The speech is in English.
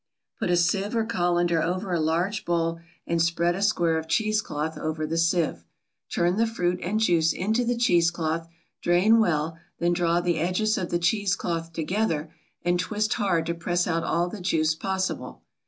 Put a sieve or colander over a large bowl and spread a square of cheese cloth over the sieve. Turn the fruit and juice into the cheese cloth; drain well, then draw the edges of the cheese cloth together and twist hard to press out all the juice possible.